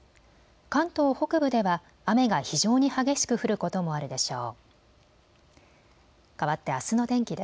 関東北部では雨が非常に激しく降ることもあるでしょう。